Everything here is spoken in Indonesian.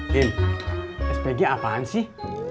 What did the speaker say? din spg apaan sih